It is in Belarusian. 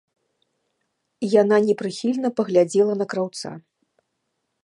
Яна непрыхільна паглядзела на краўца.